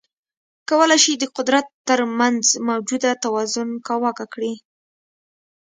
کولای شي د قدرت ترمنځ موجوده توازن کاواکه کړي.